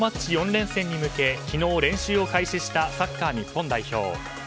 ４連戦に向け昨日練習を開始したサッカー日本代表。